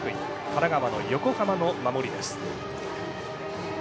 神奈川の横浜の守りです。